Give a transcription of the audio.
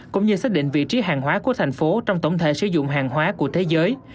cũng như xác định vị trí hàng hóa của thành phố trong tổng thể sử dụng hàng hóa của thế giới